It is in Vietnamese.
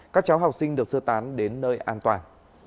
các cháu học sinh được sơ tán đến nơi an toàn